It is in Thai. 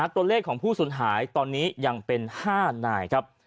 ตัวเลขของผู้สูญหายตอนนี้ยังเป็น๕นายครับ